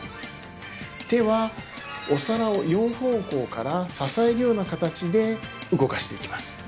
手はお皿を４方向から支えるような形で動かしていきます